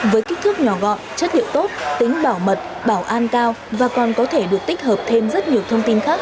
với kích thước nhỏ gọn chất hiệu tốt tính bảo mật bảo an cao và còn có thể được tích hợp thêm rất nhiều thông tin khác